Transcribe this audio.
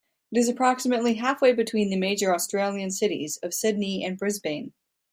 It is approximately halfway between the major Australian cities of Sydney and Brisbane.